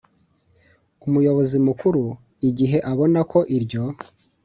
umuyobozi mukuru igihe abona ko iryo